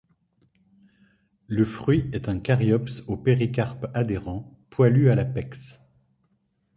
Le fruit est un caryopse au péricarpe adhérent, poilu à l'apex.